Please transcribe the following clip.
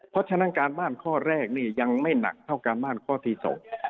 เพราะฉะนั้นการบ้านข้อแรกนี่ยังไม่หนักเท่าการบ้านข้อที่สอง